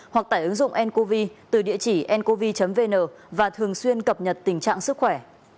hoặc tại ứng dụng ncovi từ địa chỉ ncovi vn và thường xuyên cập nhật tình trạng sức khỏe